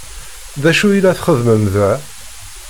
D acu i la txeddem da?